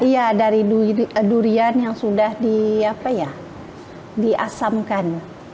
iya dari durian yang sudah di apa ya diasamkan